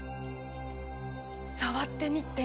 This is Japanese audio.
触ってみて。